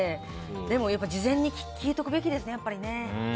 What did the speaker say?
でも、事前に聞いておくべきですね。